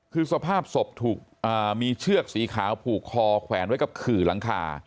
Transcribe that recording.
คือสภาพศพถูกมีเชือกสีขาวผูกคอแขวนไว้กับขื่อหลังคา